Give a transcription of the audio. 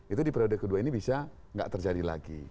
itu di prioritas kedua ini bisa gak terjadi lagi